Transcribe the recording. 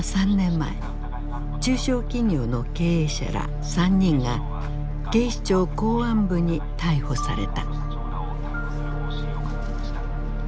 中小企業の経営者ら３人が警視庁公安部に逮捕された。